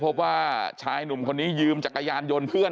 พบว่าชายหนุ่มคนนี้ยืมจักรยานยนต์เพื่อน